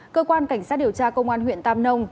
cơ quan cảnh sát điều tra công an huyện tam nông